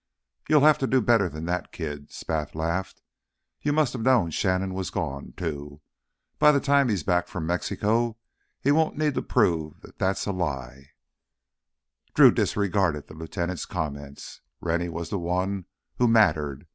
"You'll have to do better than that, kid!" Spath laughed. "You must have known Shannon was gone, too. By the time he's back from Mexico he won't need to prove that's a lie." Drew disregarded the lieutenant's comments—Rennie was the one who mattered.